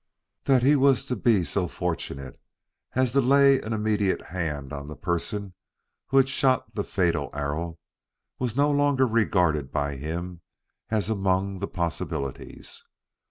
That he was to be so fortunate as to lay an immediate hand on the person who had shot the fatal arrow was no longer regarded by him as among the possibilities.